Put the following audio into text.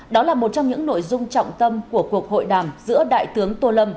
đó là một trong những nội dung trọng tâm của cuộc hội đàm giữa đại tướng tô lâm